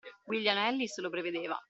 William Ellis lo prevedeva.